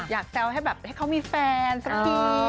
อยากเซลล์ให้แบบให้เขามีแฟนสักที